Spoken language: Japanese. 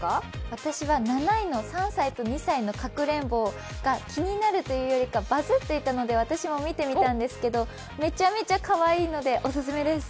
私は７位の３歳と２歳のかくれんぼが気になるというよりか、バズっていたので私も見てみたんですけど、めちゃめちゃかわいいのでオススメです。